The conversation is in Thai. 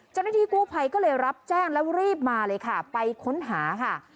เจ้าหน้าที่กู้ภัยก็เลยรับแจ้งแล้วรีบมาเลยค่ะไปค้นหาค่ะ